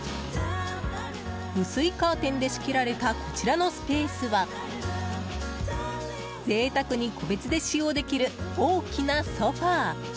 薄いカーテンで仕切られたこちらのスペースは贅沢に個別で使用できる大きなソファ。